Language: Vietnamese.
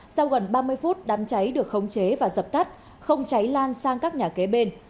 sau gần ba mươi phút đám cháy được khống chế và dập tắt không cháy lan sang các nhà kế bên